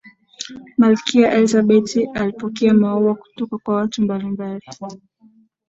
malkia elizabeth alipokea maua kutoka kwa watu mbalimbali